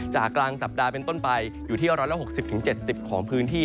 กลางสัปดาห์เป็นต้นไปอยู่ที่๑๖๐๗๐ของพื้นที่